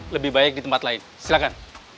lebih baik di tempat lain silahkan